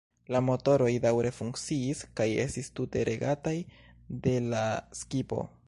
La motoroj daŭre funkciis kaj estis tute regataj de la skipo.